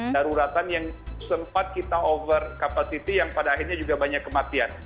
daruratan yang sempat kita over capacity yang pada akhirnya juga banyak kematian